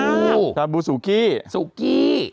ชาบูชาบูสุกี้สุกี้